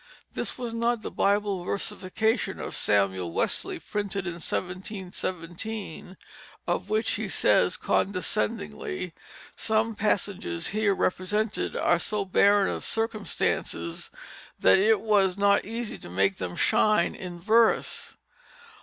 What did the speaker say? _ This was not the Bible versification of Samuel Wesley, printed in 1717, of which he says condescendingly, "Some passages here represented are so barren of Circumstances that it was not easy to make them shine in Verse."